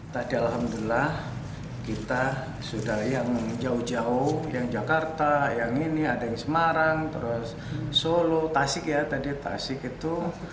tadi alhamdulillah kita sudah yang jauh jauh yang jakarta yang ini ada yang semarang terus solo tasik ya tadi tasik itu